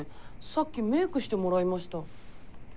さっきメークしてもらいました。